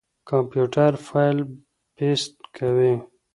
کمپيوټر فايل پېسټ کوي.